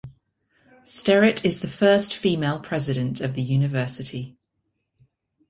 Sterritt is the first female president of the university.